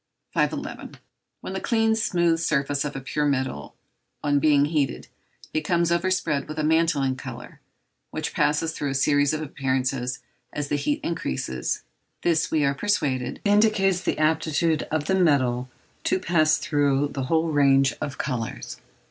511. When the clean, smooth surface of a pure metal, on being heated, becomes overspread with a mantling colour, which passes through a series of appearances as the heat increases, this, we are persuaded, indicates the aptitude of the metal to pass through the whole range of colours.